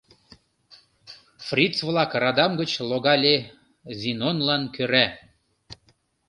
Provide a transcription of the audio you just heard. Фриц-влак радам гыч логале Зинонлан кӧра.